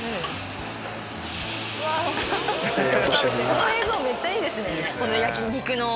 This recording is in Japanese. この映像めっちゃいいですね肉の。